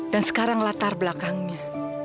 dan sekarang latar belakangnya